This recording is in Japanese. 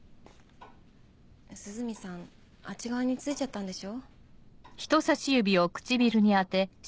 涼見さんあっち側についちゃったんでしょ？